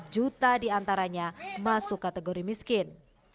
empat juta diantaranya masuk kategori miskin